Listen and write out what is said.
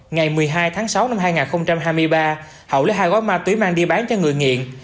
ngày một mươi hai tháng sáu năm hai nghìn hai mươi ba hậu lấy hai gói ma túy mang đi bán cho người nghiện